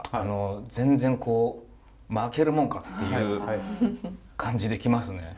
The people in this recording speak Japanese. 全然こう「負けるもんか！」っていう感じで来ますね。